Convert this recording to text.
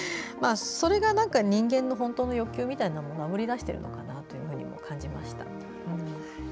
それが人間の本当の欲求みたいなものをあぶりだしているのかなと感じました。